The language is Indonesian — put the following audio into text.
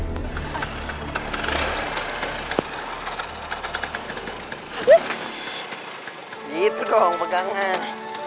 gitu dong pegangan